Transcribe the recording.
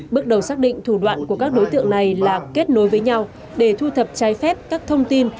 bước đầu xác định thủ đoạn của các đối tượng này là kết nối với nhau để thu thập trái phép các thông tin